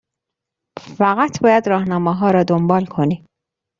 فقط باید راهنماها را دنبال کنی.